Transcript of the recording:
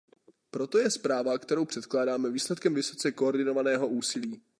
Proto je zpráva, kterou předkládáme, výsledkem vysoce koordinovaného úsilí.